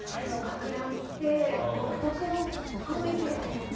学ラン着て独特の雰囲気ですもんね。